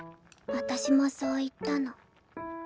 私もそう言ったの。